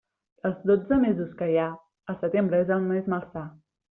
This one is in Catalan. Dels dotze mesos que hi ha, el setembre és el més malsà.